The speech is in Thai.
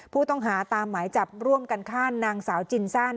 ผู้ต้องหาตามหมายจับร่วมกันฆ่านางสาวจินซัน